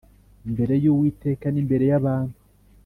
Imbere y uwiteka n imbere y abantu